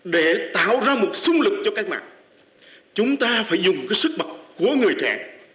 để tạo ra một xung lực cho cách mạng chúng ta phải dùng cái sức bật của người trẻ